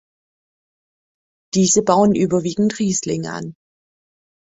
Diese bauen überwiegend Riesling an.